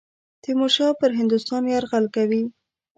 تیمورشاه پر هندوستان یرغل کوي.